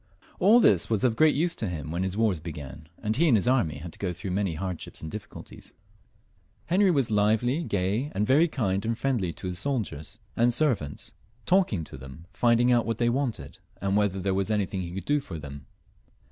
AU this was of great use to him when his wars began, and he and his army had to go through many hard ships and difficulties. Henry was lively, gay, and very kind and friendly to his soldiers and servants, talking to 300 HENRY IV. [CH. them, finding out what they wanted, and whether there were anything he could do for them.